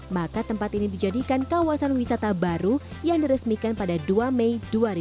maka tempat ini dijadikan kawasan wisata baru yang diresmikan pada dua mei dua ribu dua puluh